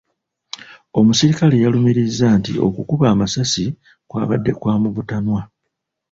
Omusirikale yalumirizza nti okukuba amasasi kwabadde kwa mu butanwa.